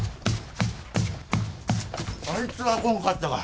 あいつは来んかったか？